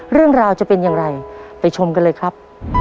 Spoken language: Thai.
เรื่องราวจะเป็นอย่างไรไปชมกันเลยครับ